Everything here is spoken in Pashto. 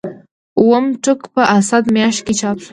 اووم ټوک په اسد میاشت کې چاپ شو.